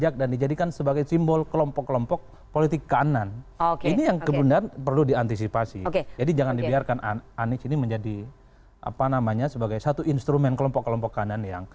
kayak begini beli lem aibon dan sebagainya